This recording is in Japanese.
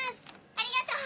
ありがとう。